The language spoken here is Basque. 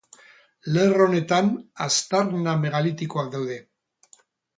Lerro honetan aztarna megalitikoak daude.